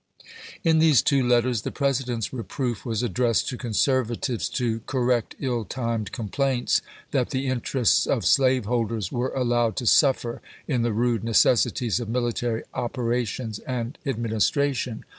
^ In these two letters the President's reproof was addressed to conservatives to correct ill timed com plaints that the interests of slaveholders were allowed to suffer in the rude necessities of military operations and administration.